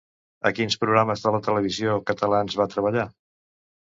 A quins programes de la televisió catalans va treballar?